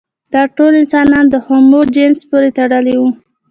دا ټول انسانان د هومو جنس پورې تړلي وو.